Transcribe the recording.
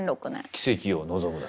「奇跡を望むなら．．．」。